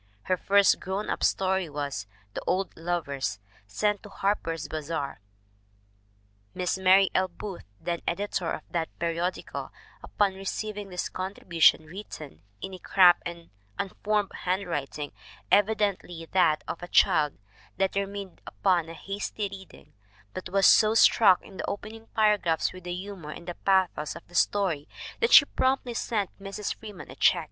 Her first grown up story was The Old Lovers, sent to Harper's Bazar. Miss Mary L. Booth, then editor of that peri odical, upon receiving this contribution, written in a 202 THE WOMEN WHO MAKE OUR NOVELS cramped and unformed handwriting, evidently that of a child, determined upon a hasty reading, but was so struck in the opening paragraphs with the humor and the pathos of the story that she promptly sent Mrs. Freeman a check.